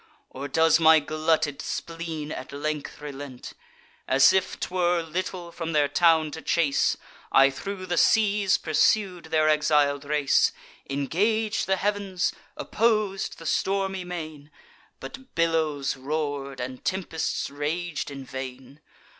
Or does my glutted spleen at length relent? As if 'twere little from their town to chase, I thro' the seas pursued their exil'd race; Ingag'd the heav'ns, oppos'd the stormy main; But billows roar'd, and tempests rag'd in vain.